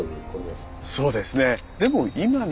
そうですね。